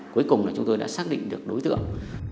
cuối cùng là chúng tôi đã xác định được đối tượng